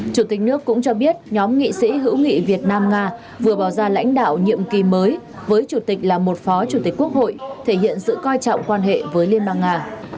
chủ tịch nước cũng cho biết nhóm nghị sĩ hữu nghị việt nam nga vừa bỏ ra lãnh đạo nhiệm kỳ mới với chủ tịch là một phó chủ tịch quốc hội thể hiện sự coi trọng quan hệ với liên bang nga